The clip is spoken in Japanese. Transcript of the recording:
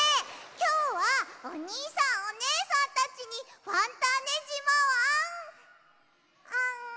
きょうはおにいさんおねえさんたちにファンターネじまをあん。